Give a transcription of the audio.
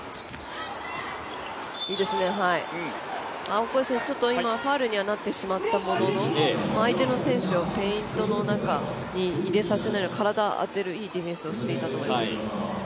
オコエ選手ファウルにはなってしまったものの相手の選手をペイントの中に入れさせないように体を当てるいいディフェンスしていたと思います。